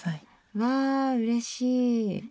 わあうれしい！